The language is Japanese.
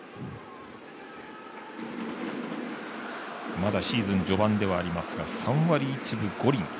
まだシーズン序盤ではありますが３割１分５厘。